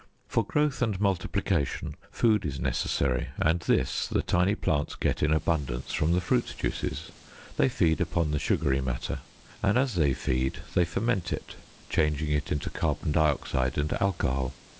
For growth and multiplication, food is necessary, and this the tiny plants get in abundance from the fruit juices; they feed upon the sugary matter and as they feed, they ferment it, changing it into carbon dioxide and alcohol.